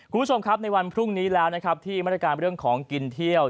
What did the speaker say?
คุณผู้ชมครับในวันพรุ่งนี้แล้วนะครับที่มาตรการเรื่องของกินเที่ยว